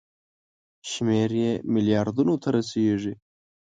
شمېر یې ملیاردونو ته رسیږي.